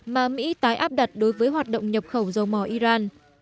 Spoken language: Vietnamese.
mà mỹ tái áp đặt đối với hoạt động nhập khẩu dầu mỏ iran